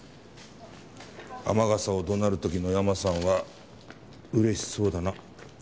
天笠を怒鳴る時のヤマさんは嬉しそうだな。